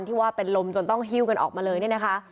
ที่ว่าเป็นลมจนต้องหิ้วกันออกมาเลยเนี่ยนะคะ